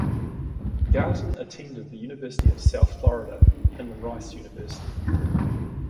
Garton attended the University of South Florida and the Rice University.